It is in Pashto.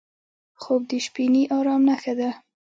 خوب د شپهني ارام نښه ده